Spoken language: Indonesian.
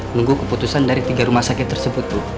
nunggu keputusan dari tiga rumah sakit tersebut tuh